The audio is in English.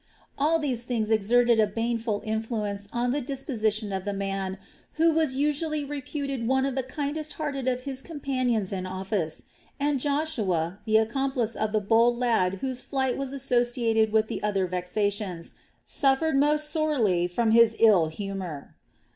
All these things exerted a baneful influence on the disposition of the man, who was usually reputed one of the kindest hearted of his companions in office; and Joshua, the accomplice of the bold lad whose flight was associated with the other vexations, suffered most sorely from his ill humor.